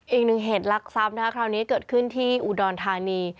อีกหนึ่งเหตุลักษัพนะคะคราวนี้เกิดขึ้นที่อุดรธานี